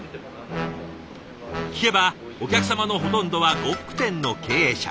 聞けばお客様のほとんどは呉服店の経営者。